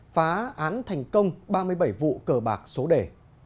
phá án thành công ba mươi bảy vụ cờ bạc số đề